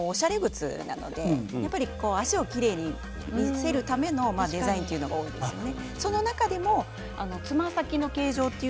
サンダルはおしゃれグッズなので足をきれいに見せるためのデザインが多いですよね。